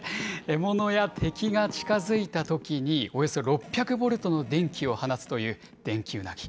獲物や敵が近づいたときに、およそ６００ボルトの電気を放つというデンキウナギ。